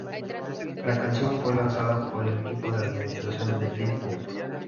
La canción fue lanzada por el equipo de administración de Lil Pump.